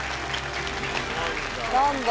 何だ。